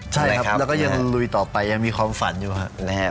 ใช่ครับแล้วก็ยังลุยต่อไปยังมีความฝันอยู่ครับ